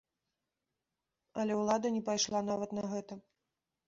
Але ўлада не пайшла нават на гэта.